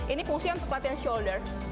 ini fungsi untuk pelatihan shoulder